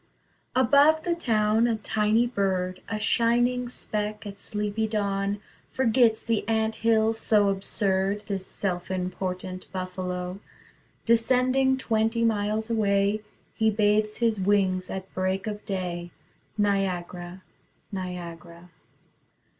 Above the town a tiny bird, A shining speck at sleepy dawn, Forgets the ant hill so absurd, This self important Buffalo. Descending twenty miles away He bathes his wings at break of day Niagara, Niagara.